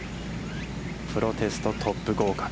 プロテスト、トップ合格。